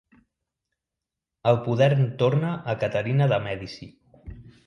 El poder torna a Caterina de Mèdici.